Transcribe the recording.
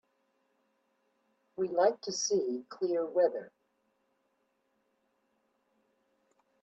We like to see clear weather.